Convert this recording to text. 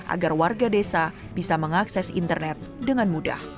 agar warga desa bisa mengakses internet dengan mudah